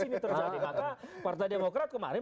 maka partai demokrat kemarin